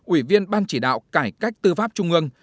ủy viên ban chỉ đạo cải cách tư pháp trung ương